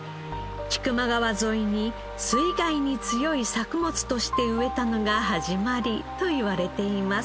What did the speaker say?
千曲川沿いに水害に強い作物として植えたのが始まりといわれています。